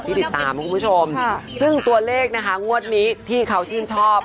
ติดตามคุณผู้ชมซึ่งตัวเลขนะคะงวดนี้ที่เขาชื่นชอบ